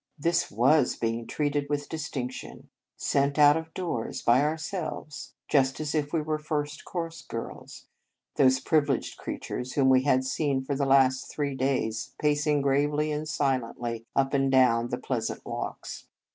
This was being treated with dis tinction. Sent out of doors by our selves, just as if we were First Cours girls, those privileged creatures whom we had seen for the last three days pacing gravely and silently up and down the pleasant walks.